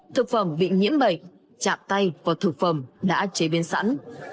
thực phẩm bị nhiễm bệnh chạm tay vào thực phẩm đã chế biến sẵn